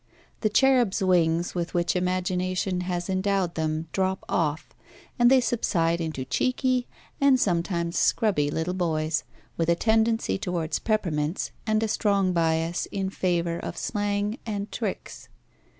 The cherubs' wings with which imagination has endowed them drop off, and they subside into cheeky, and sometimes scrubby, little boys, with a tendency towards peppermints, and a strong bias in favour of slang and tricks.